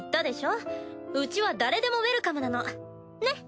ウチは誰でもウエルカムなのね？